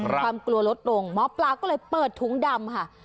ความกลัวลดลงหมอปลาก็เลยเปิดถุงดำค่ะ